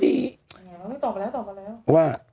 ไงว่าสมมุติตอบมาแล้วตอบมาแล้วว่า